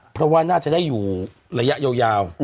เพราะว่าน่าจะได้อยู่ระยะยาว